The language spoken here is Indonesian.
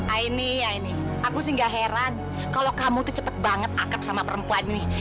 aini a ini aku sih gak heran kalau kamu tuh cepet banget akrab sama perempuan ini